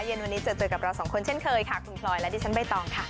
เย็นวันนี้เจอเจอกับเราสองคนเช่นเคยค่ะคุณพลอยและดิฉันใบตองค่ะ